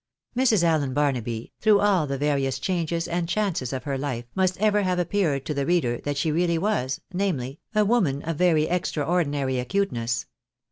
Mrs. Allen Barnaby, through all the various changes and chances of her life, must ever have appeared to the reader what she really was — namely, a woman of very extraordinary acuteness.